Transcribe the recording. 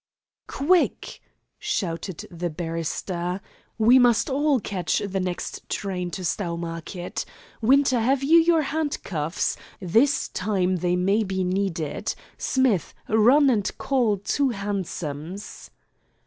"Quick," shouted the barrister. "We must all catch the next train to Stowmarket. Winter, have you your handcuffs? This time they may be needed. Smith, run and call two hansoms."